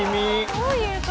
どういう事？